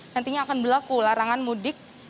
nantinya akan berlaku larangan mudik